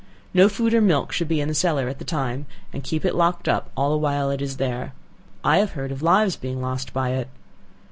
No food or milk should be in the cellar at the time, and keep it locked up all the while it is there. I have heard of lives being lost by it.